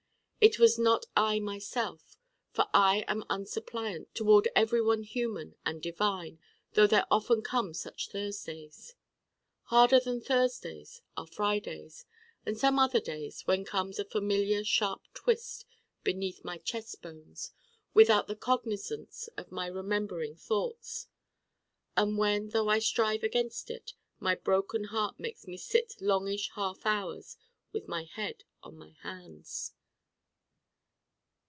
It was not I myself: for I am unsuppliant toward everyone human and divine though there often come such Thursdays. Harder than Thursdays are Fridays and some other days when comes a familiar sharp twist beneath my chest bones without the cognizance of my remembering thoughts: and when though I strive against it my Broken Heart makes me sit longish half hours with my head on my hands.